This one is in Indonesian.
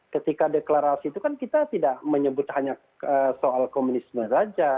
ketika deklarasi itu kan kita tidak menyebut hanya soal komunisme saja